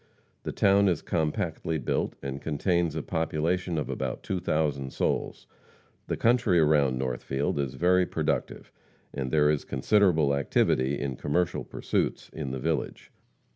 The town is compactly built, and contains a population of about 2,000 souls. The country around Northfield is very productive, and there is considerable activity in commercial pursuits in the village.